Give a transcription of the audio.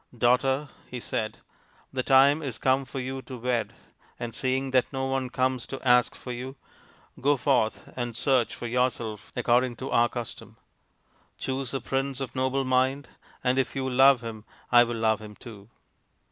" Daughter," he said, " the time is come for you to wed, and seeing that no one comes to ask for you, go forth and search for yourself according to our custom. Choose a prince of noble mind, and if you. love him, I will love him too."